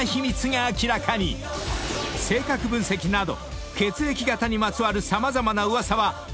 ［性格分析など］